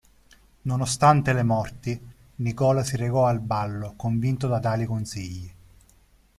Nonostante le morti, Nicola si recò al ballo convinto da tali consigli.